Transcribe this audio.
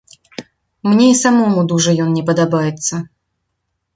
Мне і самому дужа ён не падабаецца.